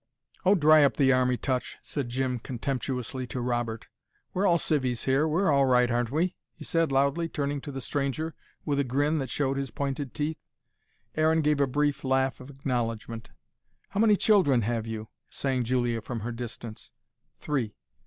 "Oh, dry up the army touch," said Jim contemptuously, to Robert. "We're all civvies here. We're all right, aren't we?" he said loudly, turning to the stranger with a grin that showed his pointed teeth. Aaron gave a brief laugh of acknowledgement. "How many children have you?" sang Julia from her distance. "Three."